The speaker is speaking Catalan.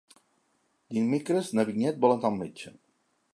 Dimecres na Vinyet vol anar al metge.